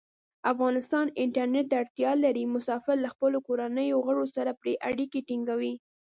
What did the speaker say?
افغانستان انټرنیټ ته اړتیا لري. مسافر له خپلو کورنیو غړو سره پری اړیکې ټینګوی.